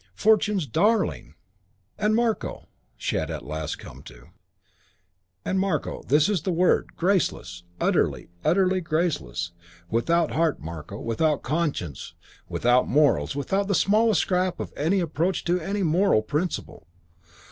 Fortune's darling! "And, Marko," she at last had come to. "And Marko this is the word graceless. Utterly, utterly graceless. Without heart, Marko, without conscience, without morals, without the smallest scrap of an approach to any moral principle.